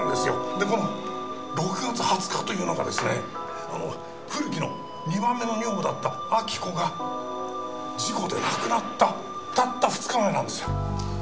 でこの６月２０日というのがですね古木の２番目の女房だった亜木子が事故で亡くなったたった２日前なんですよ。